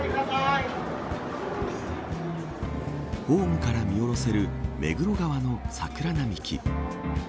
ホームから見下ろせる目黒川の桜並木。